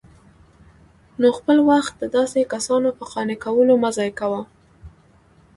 نو خپل وخت د داسي كسانو په قانع كولو مه ضايع كوه